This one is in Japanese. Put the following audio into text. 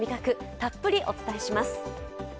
たっぷりお伝えします。